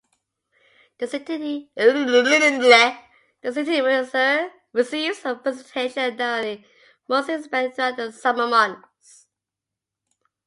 The city receives of precipitation annually, mostly spread throughout the summer months.